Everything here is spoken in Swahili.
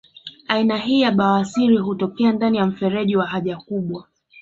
Aina hii ya bawasiri hutokea ndani ya mfereji wa haja kubwa